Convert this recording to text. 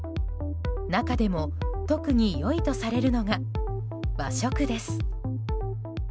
中でも特に良いとされるのが和食です。